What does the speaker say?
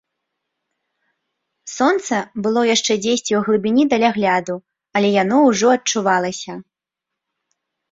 Сонца было яшчэ дзесьці ў глыбіні далягляду, але яно ўжо адчувалася.